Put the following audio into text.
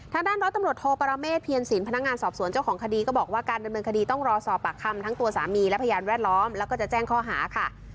ด้านร้อยตำรวจโทปรเมฆเพียรสินพนักงานสอบสวนเจ้าของคดีก็บอกว่าการดำเนินคดีต้องรอสอบปากคำทั้งตัวสามีและพยานแวดล้อมแล้วก็จะแจ้งข้อหาค่ะ